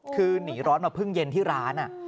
คือหนีร้อนมาพึ่งเย็นที่ร้าน